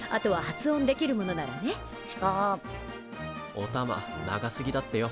おたま長すぎだってよ。